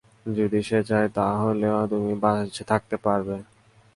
যদি সে চায়, তাহলেই তুমি বেঁচে থাকতে পারবে।